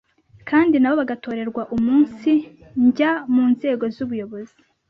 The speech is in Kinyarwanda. kandi na bo bagatorerwa umunsijya mu nzego z’ubuyobozi